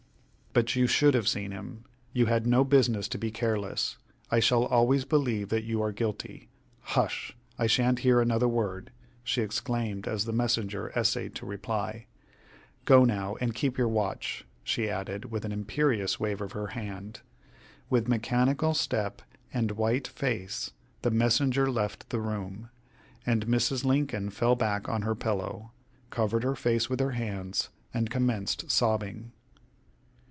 "But you should have seen him. You had no business to be careless. I shall always believe that you are guilty. Hush! I shan't hear another word," she exclaimed, as the messenger essayed to reply. "Go now and keep your watch," she added, with an imperious wave of her hand. With mechanical step and white face the messenger left the room, and Mrs. Lincoln fell back on her pillow, covered her face with her hands, and commenced sobbing.